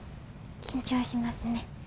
緊張しますね。